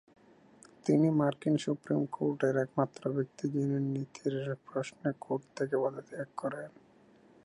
তিনি মার্কিন সুপ্রিম কোর্টের একমাত্র ব্যক্তি যিনি নীতির প্রশ্নে কোর্ট থেকে পদত্যাগ করেন।